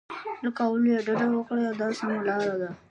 له کولو یې ډډه وکړئ دا سمه لار ده.